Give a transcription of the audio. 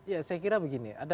ya saya kira begini